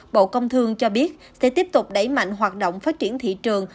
bộ công thương cho biết sẽ tiếp tục đẩy mạnh hoạt động phát triển thị trường